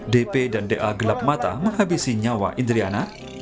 dp dan da gelap mata menghabisi nyawa indriana